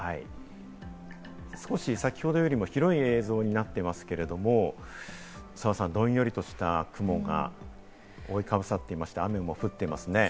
少し先ほどよりも広い映像になっていますけれども、澤さん、どんよりとした雲が覆いかぶさっていまして、雨も降っていますね。